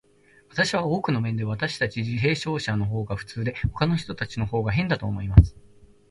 私は、多くの面で、私たち自閉症者のほうが普通で、ほかの人たちのほうが変だと思います。